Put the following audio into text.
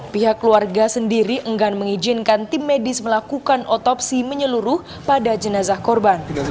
pihak keluarga sendiri enggan mengizinkan tim medis melakukan otopsi menyeluruh pada jenazah korban